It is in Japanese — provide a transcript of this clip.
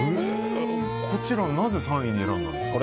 こちらなぜ３位に選んだんですか？